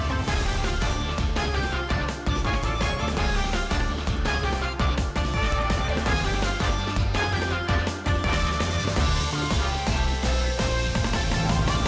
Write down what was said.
โปรดติดตามตอนต่อไป